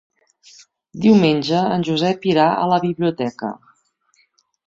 Diumenge en Josep irà a la biblioteca.